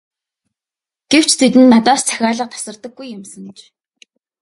Гэвч тэдэнд гаднаас захиалга тасардаггүй юмсанж.